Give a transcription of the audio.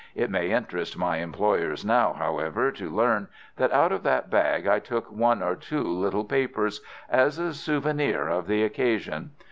It may interest my employers now, however, to learn that out of that bag I took one or two little papers as a souvenir of the occasion.